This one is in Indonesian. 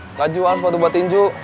nggak jual sepatu buat tinju